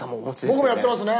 僕もやってますね。